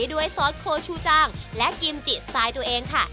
ซอสโคชูจังและกิมจิสไตล์ตัวเองค่ะ